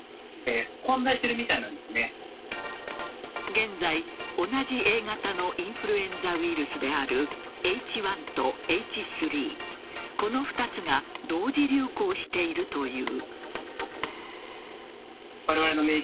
現在、同じＡ型のインフルエンザウイルスであるＨ１とＨ３この２つが同時流行しているという。